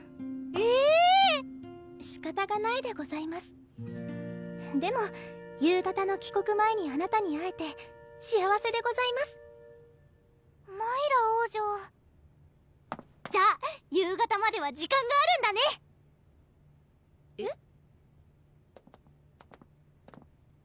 えぇ⁉しかたがないでございますでも夕方の帰国前にあなたに会えて幸せでございますマイラ王女じゃあ夕方までは時間があるんだねえっ？